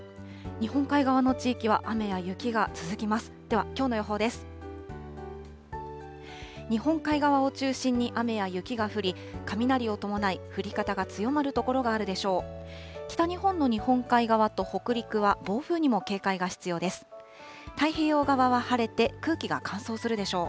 日本海側を中心に雨や雪が降り、雷を伴い、降り方が強まる所があるでしょう。